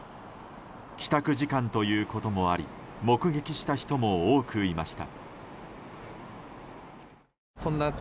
帰宅時間ということもあり目撃した人も多くいました。